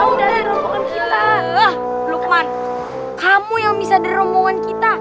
wah lukman kamu yang bisa dari rombongan kita